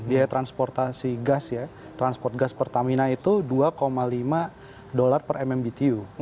biaya transportasi gas ya transport gas pertamina itu dua lima dolar per mmbtu